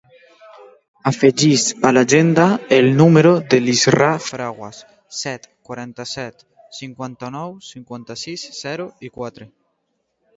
Afegeix a l'agenda el número de l'Israa Fraguas: set, quaranta-set, cinquanta-nou, cinquanta-sis, zero, quatre.